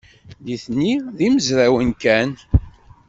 Nitni d imezrawen kan.